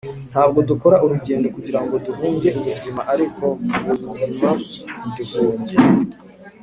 ntabwo dukora urugendo kugirango duhunge ubuzima, ariko kubuzima ntiduhunge.